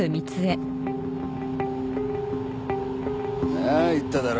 なあ言っただろ。